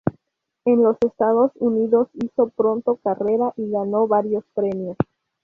En los Estados Unidos hizo pronto carrera y ganó varios premios.